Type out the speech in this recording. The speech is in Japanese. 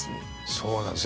そうなんです。